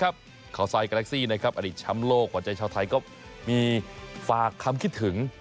ครับเขาไซด์กาเล็กซี่นะครับอดีตชำโลกหัวใจชาวไทยก็มีฝากคำคิดถึง